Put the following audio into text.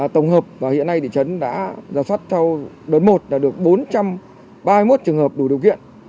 tổng hợp và hiện nay thị trấn đã giả soát theo đợt một là được bốn trăm ba mươi một trường hợp đủ điều kiện